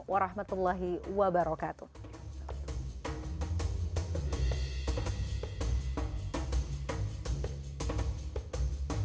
wa rahmatullahi wa barakatuh